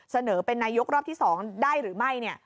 เสนอเป็นนายกรอบที่๒ได้หรือไม่